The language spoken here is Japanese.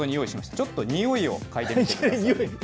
ちょっとにおいを嗅いでみてください。